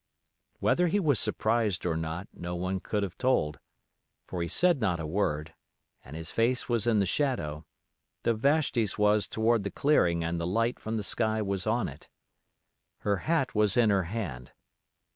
Whether he was surprised or not no one could have told, for he said not a word, and his face was in the shadow, though Vashti's was toward the clearing and the light from the sky was on it. Her hat was in her hand.